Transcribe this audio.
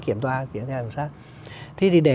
kiểm soát thế thì để